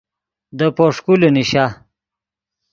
دے پوݰکولے نیشا